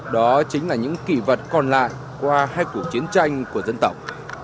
đó chính là những kỷ vật còn lại qua hai cuộc chiến tranh của dân tộc